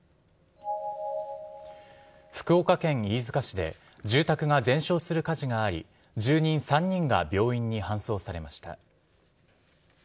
福岡県飯塚市で、住宅が全焼する火事があり、住人３人が病院に搬送されました。